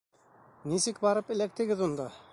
Нисек барып эләктегеҙ унда?